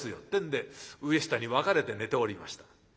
ってんで上下に分かれて寝ておりました。